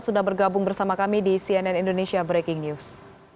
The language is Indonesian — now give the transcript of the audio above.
sudah bergabung bersama kami di cnn indonesia breaking news